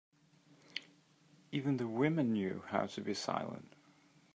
Even the women knew how to be silent.